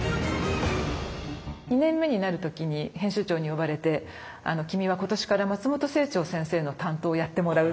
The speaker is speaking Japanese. ２年目になる時に編集長に呼ばれて「君は今年から松本清張先生の担当をやってもらう」って言われたんですね。